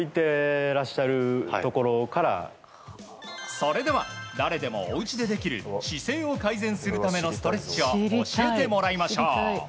それでは、誰でもおうちでできる姿勢を改善するためのストレッチを教えてもらいましょう。